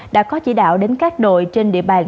đã có chỉ đạo đến các đội trên địa bàn